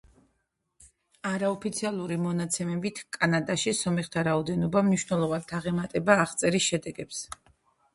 არაოფიციალური მონაცემებით, კანადაში სომეხთა რაოდენობა მნიშვნელოვნად აღემატება აღწერის შედეგებს.